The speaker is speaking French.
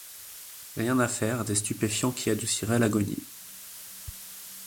Rien à faire, des stupéfiants qui adouciraient l’agonie.